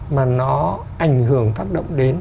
mà nó ảnh hưởng tác động đến